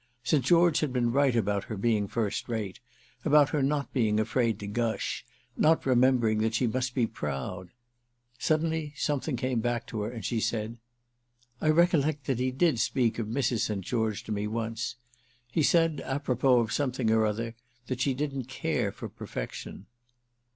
St. George had been right about her being first rate, about her not being afraid to gush, not remembering that she must be proud. Suddenly something came back to her, and she said: "I recollect that he did speak of Mrs. St. George to me once. He said, apropos of something or other, that she didn't care for perfection."